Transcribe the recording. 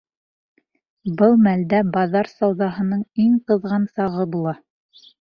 Был мәлдә баҙар сауҙаһының иң ҡыҙған сағы була.